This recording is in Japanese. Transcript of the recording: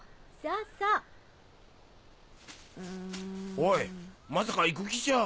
おいまさか行く気じゃ。